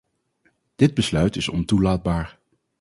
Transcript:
Dit besluit is ontoelaatbaar.